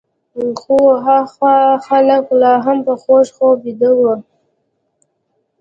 خو هخوا خلک لا هم په خوږ خوب ویده وو.